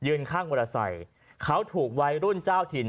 ยืนข้างอุตส่ายเขาถูกวัยรุ่นเจ้าถิ่น